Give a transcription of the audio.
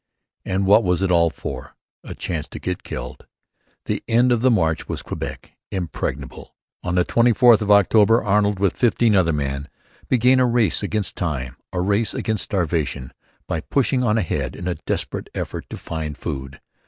'And what was it all for? A chance to get killed! The end of the march was Quebec impregnable!' On the 24th of October Arnold, with fifteen other men, began 'a race against time, a race against starvation' by pushing on ahead in a desperate effort to find food.